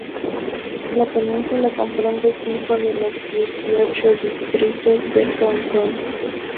La península comprende cinco de los dieciocho distritos de Hong Kong.